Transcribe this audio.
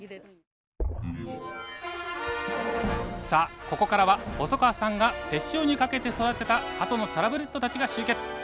さあここからは細川さんが手塩にかけて育てたハトのサラブレッドたちが集結！